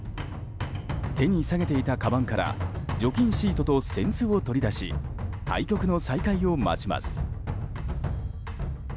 手に提げていたかばんから除菌シートと扇子を取り出し対局の再開を待ちます。